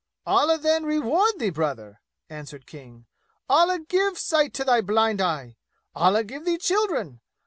"Allah, then, reward thee, brother!" answered King. "Allah give sight to thy blind eye! Allah give thee children!